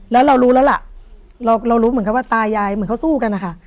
แล้วเรารู้แล้วล่ะเรารู้เหมือนกันว่าตายายเหมือนเขาสู้กันนะคะ